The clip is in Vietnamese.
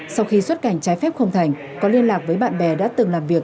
sau khi xuất cảnh trái phép không thành có liên lạc với bạn bè đã từng làm việc